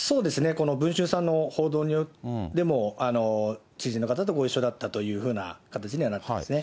この文春さんの報道でも、知人の方とご一緒だったというふうな形にはなっていますね。